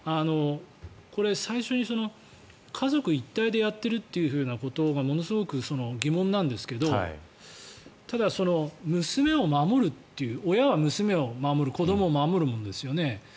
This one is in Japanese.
これ、最初に家族一体でやっているということがものすごく疑問なんですけどただ、娘を守るという親は娘を守る子どもを守るものですよね。